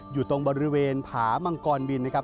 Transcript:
อยู่ตรงบริเวณผามังกรบินนะครับ